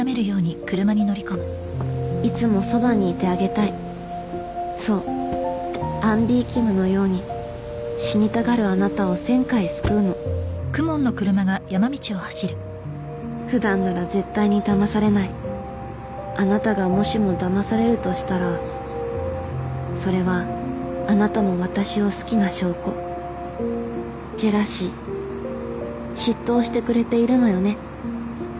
いつもそばにいてあげたいそうアンディキムのように死にたがるあなたを１０００回救うのふだんなら絶対にだまされないあなたがもしもだまされるとしたらそれはあなたも私を好きな証拠ジェラシー嫉妬をしてくれているのよね